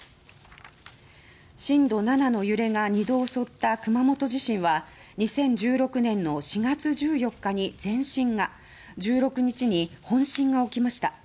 震度７の揺れが２度襲った熊本地震は２０１６年の４月１４日に前震が１６日に本震が起きました。